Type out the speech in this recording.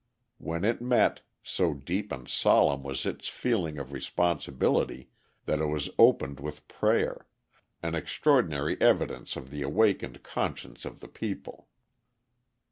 When it met, so deep and solemn was its feeling of responsibility that it was opened with prayer, an extraordinary evidence of the awakened conscience of the people.